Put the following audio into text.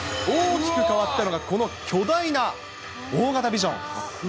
大きく変わったのが、この巨大な大型ビジョン。